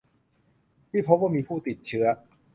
ที่พบว่ามีผู้ติดเชื้อ